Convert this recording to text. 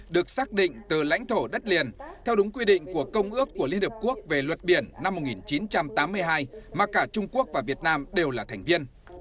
được xác định từ lãnh thổ đất liền theo đúng quy định của công ước của liên hợp quốc về luật biển năm một nghìn chín trăm tám mươi hai mà cả trung quốc và việt nam đều là thành viên